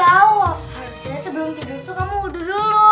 harusnya sebelum tidur tuh kamu wudhu dulu